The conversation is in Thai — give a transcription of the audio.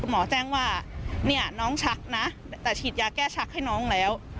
หมอแจ้งว่าเนี่ยน้องชักนะแต่ฉีดยาแก้ชักให้น้องแล้ว